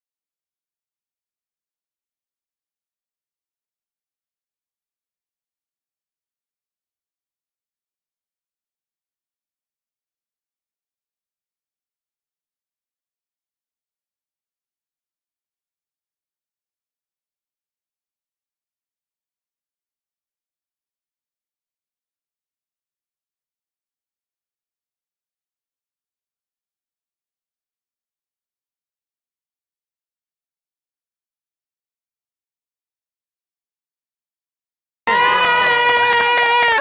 faya ya bagus sih